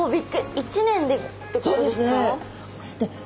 １年でってことですか？